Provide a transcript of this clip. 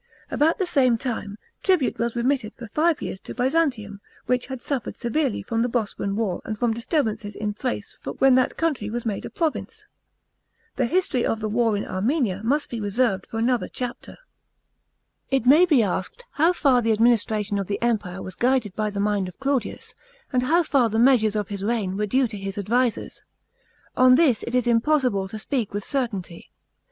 About the same time, tribute was remitted for five years to Byzantium, which had suffered severely from the Bosporan war and from disturbances in Thrace when that country was made a province. The history of the war for Armenia must be reserved for another chapter. § 15. It may be asked how far the administration of the Empire was guided by the mind of Claudius, and how far the measures of his reign were due to his advisers. On this it is impossible to speak with certainty.